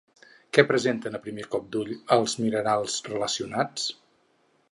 Què presenten a primer cop d'ull els minerals relacionats?